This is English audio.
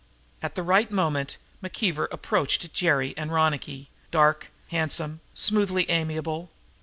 At the right moment McKeever approached Jerry and Ronicky, dark, handsome, smoothly amiable.